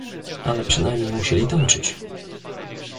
"ale przynajmniej musieli tańczyć!"